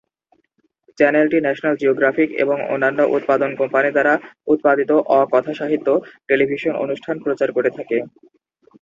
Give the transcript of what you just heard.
চ্যানেলটি National Geographic এবং অন্যান্য উৎপাদন কোম্পানি দ্বারা উৎপাদিত অ-কথাসাহিত্য টেলিভিশন অনুষ্ঠান প্রচার করে থাকে।